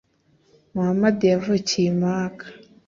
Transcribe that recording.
muhamadi yavukiye i maka